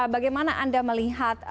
bagaimana anda melihat